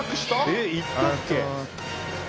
えっ行ったっけ？